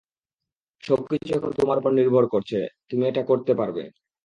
সবকিছু এখন তোমার উপর নির্ভর করছে, তুমি এটা করতে পারবে।